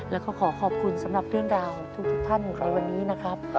แล้วก็ขอขอบคุณสำหรับเรื่องราวทุกท่านในวันนี้นะครับ